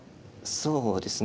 そうですね。